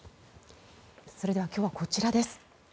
それでは今日はこちらです。